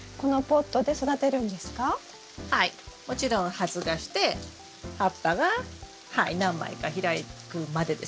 はいもちろん発芽して葉っぱが何枚か開くまでですよね。